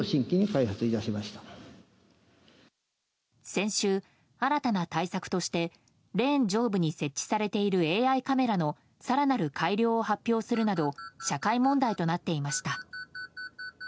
先週、新たな対策としてレーン上部に設置されているＡＩカメラの更なる改良を発表するなど社会問題となっていました。